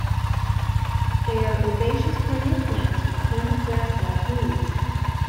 They are herbaceous perennial plants with slender, grass-like leaves.